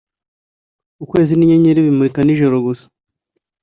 ukwezi ninyenyeri bimurika nijoro gusa